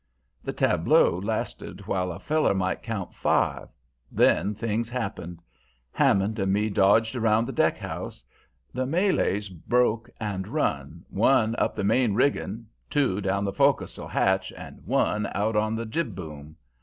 "The tableau lasted while a feller might count five; then things happened. Hammond and me dodged around the deckhouse; the Malays broke and run, one up the main rigging, two down the fo'castle hatch and one out on the jib boom.